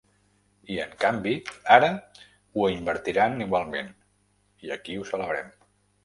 I, en canvi, ara ho invertiran igualment… i aquí ho celebrem.